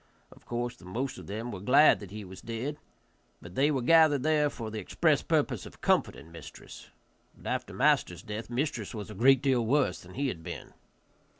Of course the most of them were glad that he was dead; but they were gathered there for the express purpose of comforting mistress. But after master's death mistress was a great deal worse than he had been.